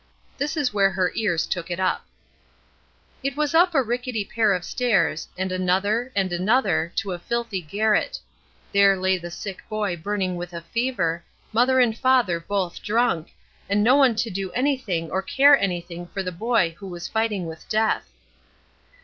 This was where her ears took it up: "It was up a ricketty pair of stairs, and another, and another, to a filthy garret. There lay the sick boy burning with a fever, mother and father both drunk, and no one to do anything or care anything for the boy who was fighting with death.